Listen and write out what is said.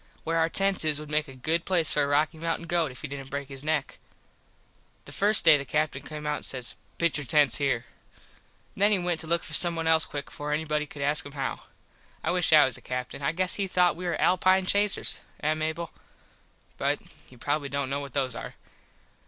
Where our tents is would make a good place for a Rocky Mountin goat if he didnt break his neck. The first day the Captin came out an says "Pitch your tents here." Then he went to look for someone quick before anyone could ask him how. I wish I was a Captin. I guess he thought we was Alpine Chasers. Eh, Mable? But you probably dont know what those are.